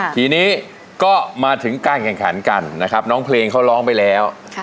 ทีนี้ก็มาถึงการแข่งขันกันนะครับน้องเพลงเขาร้องไปแล้ว